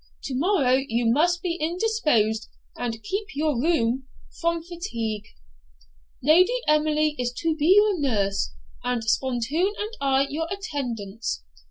To morrow you must be indisposed, and keep your room from fatigue. Lady Emily is to be your nurse, and Spontoon and I your attendants.